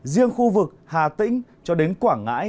riêng khu vực hà tĩnh cho đến quảng ngãi